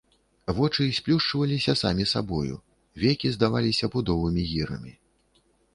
Вочы сплюшчваліся самі сабою, векі здаваліся пудовымі гірамі.